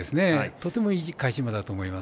とてもいい返し馬だと思います。